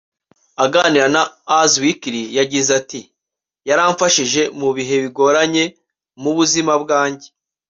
Aganira na UsWeekly yagize ati “Yaramfashije mu bihe bigoranye mu buzima bwanjye